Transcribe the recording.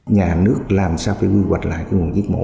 nhà nước làm sao phải quy hoạch lại nguồn nhiệt mổ